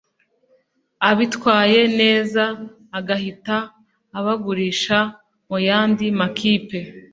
abitwaye neza agahita abagurisha mu yandi makipe